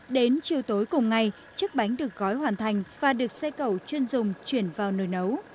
đến chiều tối cùng ngày chiếc bánh được gói hoàn thành và được xây cầu chuyên dùng chuyển vào nồi nấu